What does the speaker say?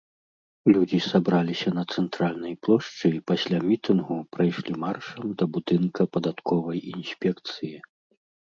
Людзі сабраліся на цэнтральнай плошчы і пасля мітынгу прайшлі маршам да будынка падатковай інспекцыі.